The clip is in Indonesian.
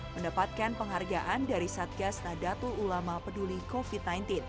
mendapatkan penghargaan dari satgas nadatul ulama peduli covid sembilan belas